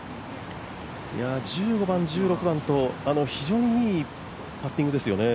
１５番、１６番と非常にいいパッティングですよね。